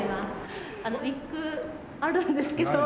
あのウィッグあるんですけど。